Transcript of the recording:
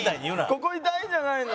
ここ痛いんじゃないの？